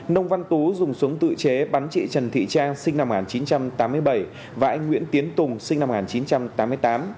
nông văn tú dùng súng tự chế bắn chị trần thị trang sinh năm một nghìn chín trăm tám mươi bảy và anh nguyễn tiến tùng sinh năm một nghìn chín trăm tám mươi tám